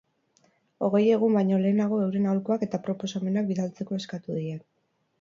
Hogei egun baino lehenago euren aholkuak eta proposamenak bidaltzeko eskatu die.